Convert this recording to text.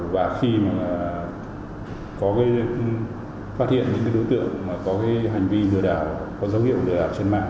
và khi mà có phát hiện những đối tượng có hành vi lừa đảo có dấu hiệu lừa đảo trên mạng